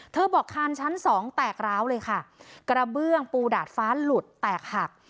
บอกคานชั้นสองแตกร้าวเลยค่ะกระเบื้องปูดาดฟ้าหลุดแตกหัก